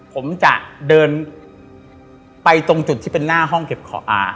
ผมจะเดินไปตรงจุดที่เป็นหน้าห้องเก็บของอ่า